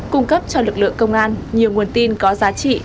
cung cấp cho lực lượng công an nhiều nguồn tin có giá trị